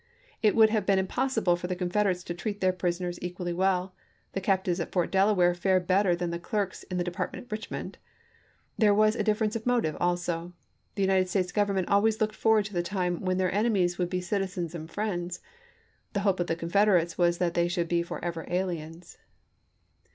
It would have been impossible for the Confederates to treat their prisoners equally well ; the captives at Fort Delaware fared better than the clerks in the Departments at Eichmond. There was a difference of motive also. The United States Government always looked forward to the time when their enemies would be citizens and friends; the hope of the Confederates was that they should be forever aliens.